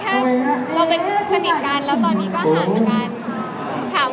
ถ้าเราเป็นสนิทกันแล้วตอนนี้ก็ห่างกัน